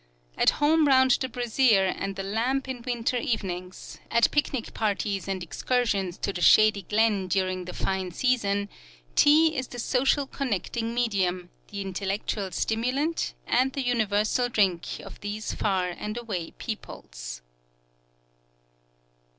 At home round the brazier and the lamp in winter evenings, at picnic parties and excursions to the shady glen during the fine season, tea is the social connecting medium, the intellectual stimulant and the universal drink of these far and away peoples.